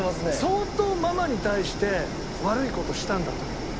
相当ママに対して悪い事したんだと思う。